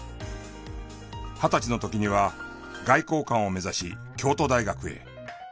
二十歳の時には外交官を目指し京都大学へ。